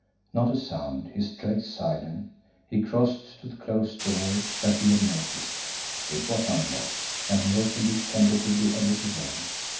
Not a sound, his tread silent, he crossed to the closed door that he had noticed. It was unlocked, and he opened it tentatively a little way.